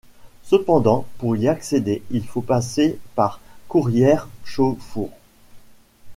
Cependant, pour y accéder il faut passer par Courrières-Chauffour.